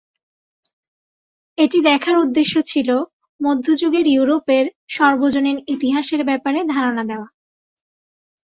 এটি লেখার উদ্দেশ্য ছিল মধ্যযুগের ইউরোপের সর্বজনীন ইতিহাসের ব্যাপারে ধারণা দেওয়া।